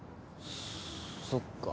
そっか。